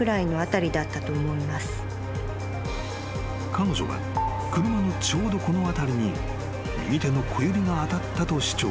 ［彼女は車のちょうどこの辺りに右手の小指が当たったと主張］